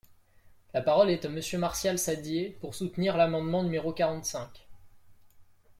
La parole est à Monsieur Martial Saddier, pour soutenir l’amendement numéro quarante-cinq.